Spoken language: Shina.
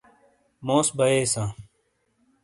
موس بیئیساں۔